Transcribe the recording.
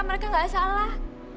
mereka nggak salah